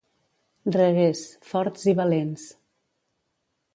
Reguers, forts i valents.